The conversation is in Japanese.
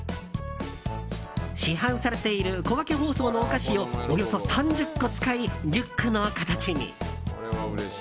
市販されている小分け包装のお菓子をおよそ３０個使いリュックの形に。